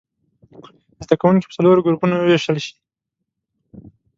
زده کوونکي په څلورو ګروپونو ووېشل شي.